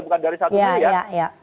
bukan dari satu miliar